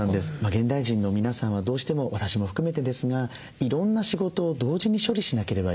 現代人の皆さんはどうしても私も含めてですがいろんな仕事を同時に処理しなければいけない。